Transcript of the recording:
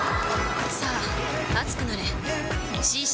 さあ、熱くなれ。